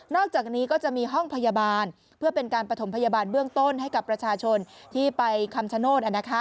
อกจากนี้ก็จะมีห้องพยาบาลเพื่อเป็นการประถมพยาบาลเบื้องต้นให้กับประชาชนที่ไปคำชโนธ